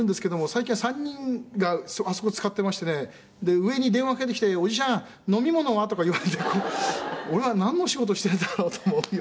「最近は３人があそこを使っていましてね上に電話をかけてきて“おじちゃん飲み物は？”とか言われて俺はなんの仕事をしてるんだろうと思うような」